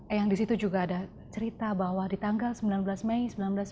eyang di situ juga ada cerita bahwa di tanggal sembilan belas mei seribu sembilan ratus sembilan puluh